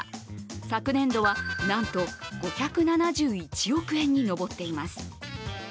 昨年度は、なんと５７１億円に上っています。